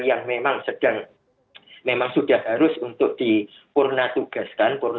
jumlahnya hanya dibatasi untuk kualitas